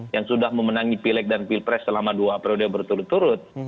yang sudah memenangi pilek dan pilpres selama dua periode berturut turut